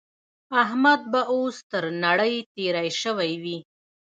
احمد به اوس تر نړۍ تېری شوی وي.